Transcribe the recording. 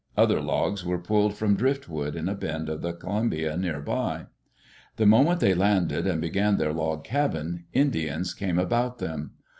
Other logs were pulled from driftwood in a bend of the Columbia near by. The moment they landed and began their log cabin, Indians came about them.